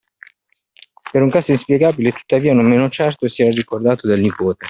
Per un caso inspiegabile e tuttavia non meno certo, si era ricordato del nipote